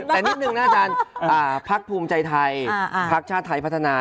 แต่นิดนึงนะอาจารย์พักภูมิใจไทยพักชาติไทยพัฒนา